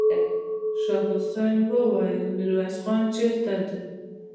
شاه حسين وويل: ميرويس خان چېرته دی؟